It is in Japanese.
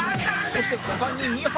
そして股間に２発